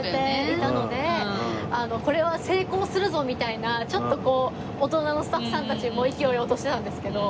これは成功するぞみたいなちょっとこう大人のスタッフさんたち意気揚々としてたんですけど。